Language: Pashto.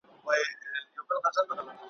چي فرنګ ته یادوي د امان توره `